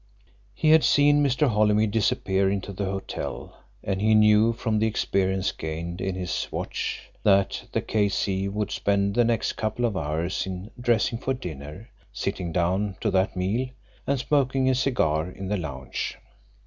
He had seen Mr. Holymead disappear into the hotel, and he knew from the experience gained in his watch that the K.C. would spend the next couple of hours in dressing for dinner, sitting down to that meal, and smoking a cigar in the lounge.